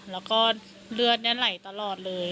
แล้วก็เลือดไหลตลอดเลย